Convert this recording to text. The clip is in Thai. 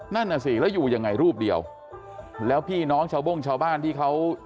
นั่นน่ะสิแล้วอยู่ยังไงรูปเดียวแล้วพี่น้องชาวโบ้งชาวบ้านที่เขา